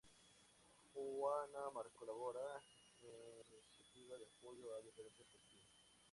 Juana Martín colabora en iniciativas de apoyo a diferentes colectivos.